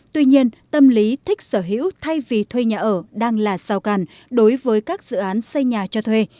tuy nhiên tâm lý thích sở hữu thay vì thuê nhà ở đang là rào càn đối với các dự án xây nhà cho thuê